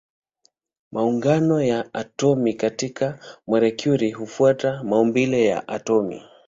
Maungano ya atomi katika molekuli hufuata maumbile ya atomi.